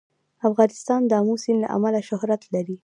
افغانستان د آمو سیند له امله شهرت لري.